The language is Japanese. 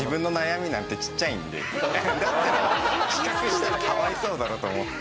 比較したらかわいそうだなと思って。